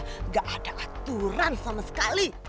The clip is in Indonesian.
tidak ada aturan sama sekali